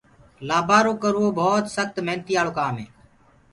لآبآرو ڪروو ڀوت سکت منيآݪو ڪآم هي۔